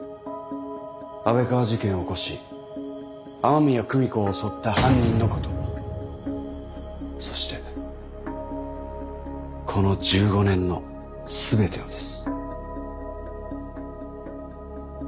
安倍川事件を起こし雨宮久美子を襲った犯人のことそしてこの１５年の全てをです。